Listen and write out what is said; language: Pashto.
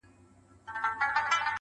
ډيره مننه مهربان شاعره.